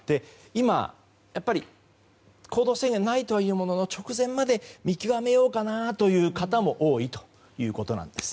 今、やっぱり行動制限ないとはいうものの直前まで見極めようかなという方も多いということなんです。